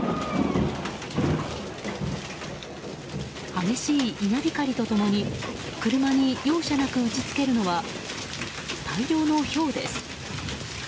激しい稲光と共に車に容赦なく打ち付けるのは大量のひょうです。